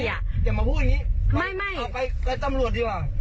อย่ามาพูดอย่างนี้เอาไปกับตำรวจดีกว่า